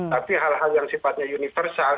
tapi hal hal yang sifatnya universal